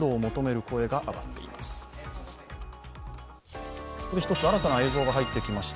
ここで１つ、新たな映像が入ってきました。